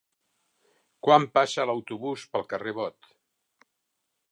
Quan passa l'autobús pel carrer Bot?